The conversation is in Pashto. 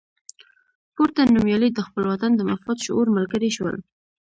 پورته نومیالي د خپل وطن د مفاد شعور ملګري شول.